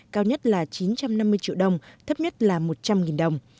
cao nhất là chín trăm năm mươi triệu đồng thấp nhất là một trăm linh đồng